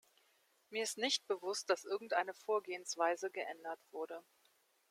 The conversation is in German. Mir ist nicht bewusst, dass irgend eine Vorgehensweise geändert wurde.